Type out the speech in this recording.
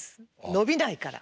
伸びないから。